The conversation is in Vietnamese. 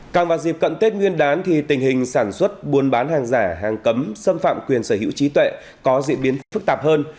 càng vào dịp cận tết nguyên đán thì tình hình sản xuất buôn bán hàng giả hàng cấm xâm phạm quyền sở hữu trí tuệ có diễn biến phức tạp hơn